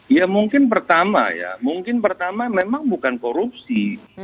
ya mungkin pertama ya mungkin pertama memang bukan korupsi